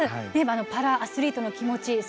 パラアスリートの気持ち